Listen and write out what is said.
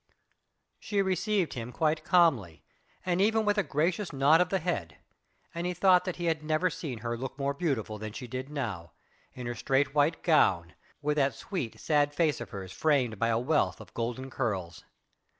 She received him quite calmly, and even with a gracious nod of the head, and he thought that he had never seen her look more beautiful than she did now, in her straight white gown, with that sweet, sad face of hers framed by a wealth of golden curls.